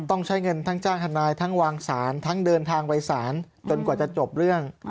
ต้องใช้เงินทั้งจ้างทนายทั้งวางสารทั้งเดินทางไปศาลจนกว่าจะจบเรื่อง